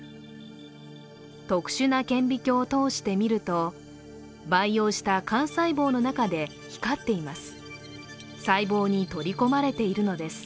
特殊な顕微鏡を通して見ると培養した肝細胞の中で光っています。